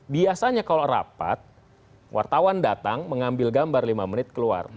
biasanya kalau rapat wartawan datang mengambil gambar lima menit keluar